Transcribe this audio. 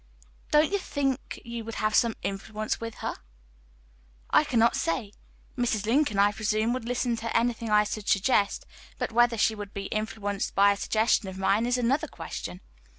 "Don't you think you would have some influence with her?" "I cannot say. Mrs. Lincoln, I presume, would listen to anything I should suggest, but whether she would be influenced by a suggestion of mine is another question."